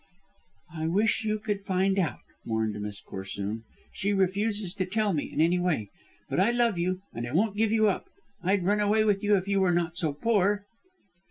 "I wish you could find out," mourned Miss Corsoon. "She refuses to tell me in any way. But I love you, and I won't give you up. I'd run away with you if you were not so poor."